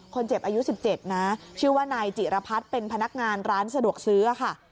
คนเจ็บอายุ๑๗นะชื่อว่านายจิรพัฒน์เป็นพนักงานร้านสะดวกซื้อค่ะ